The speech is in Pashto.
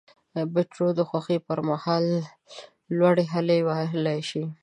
بیزو د خوښۍ پر مهال لوړې هلې وهلای شي.